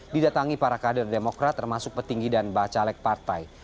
didatangi para kader demokrat termasuk petinggi dan bacalek partai